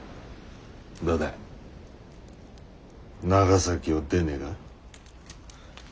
どうだ長崎を出ねえか。